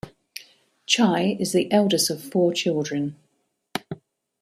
Chai is the eldest of four children.